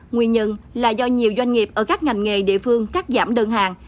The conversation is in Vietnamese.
nguyên nhân là do nhiều doanh nghiệp ở các ngành nghề địa phương cắt giảm đơn hàng